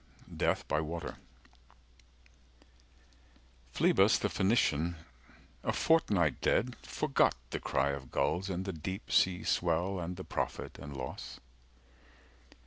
DEATH BY WATER Phlebas the Phoenician, a fortnight dead, Forgot the cry of gulls, and the deep seas swell And the profit and loss.